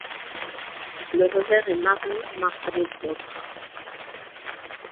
Le revers est marron marbré d'ocre.